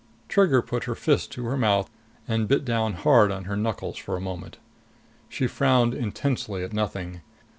Trigger put her fist to her mouth and bit down hard on her knuckles for a moment. She frowned intensely at nothing.